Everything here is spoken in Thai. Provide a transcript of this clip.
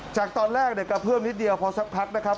จากตอนแรกกระเพื่อมนิดเดียวพอสักพักนะครับ